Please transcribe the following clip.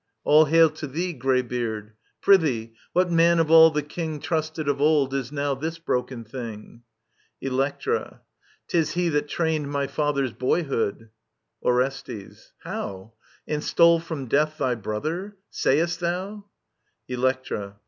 All hail to thee. Greybeard !— Prithee, what man of all the King Trusted of old, is now this brokeit thing ? Electra. nris he that trained my father's boyhood. Digitized by VjOOQIC 34 EURIPIDES Orestbs. How? And stole from death thy brother ? Sayest thou i Electra.